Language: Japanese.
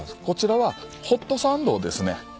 こちらはホットサンドをですね。